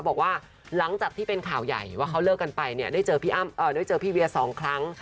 บอกว่าหลังจากที่เป็นข่าวใหญ่ว่าเขาเลิกกันไปเนี่ยได้เจอพี่เวีย๒ครั้ง